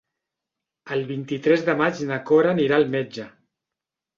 El vint-i-tres de maig na Cora anirà al metge.